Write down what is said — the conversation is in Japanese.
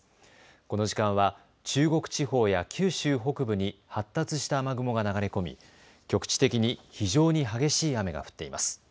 この時間は中国地方や九州北部に発達した雨雲が流れ込み局地的に非常に激しい雨が降っています。